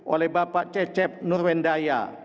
oleh bapak cecep nurwendaya